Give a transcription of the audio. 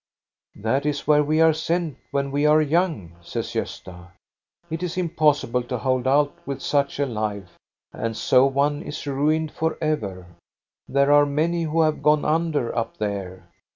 " That is where we are sent when we are young," says Gosta. " It is impossible to hold out with such a life; and so one is ruined forever. There are many who have gone under up there."